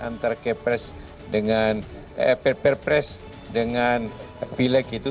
antara kepres dengan perpres dengan pileg itu